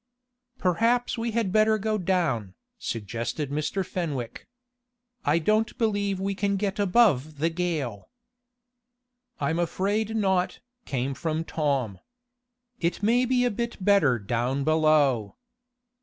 "Perhaps we had better go down," suggested Mr. Fenwick. "I don't believe we can get above the gale." "I'm afraid not," came from Tom. "It may be a bit better down below."